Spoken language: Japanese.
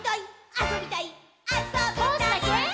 「あそびたいっ！！」